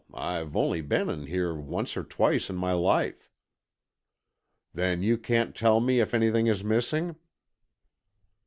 I've only been in here once or twice in my life." "Then you can't tell me if anything is missing?"